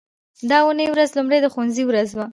د اونۍ ورځ لومړنۍ د ښوونځي ورځ وي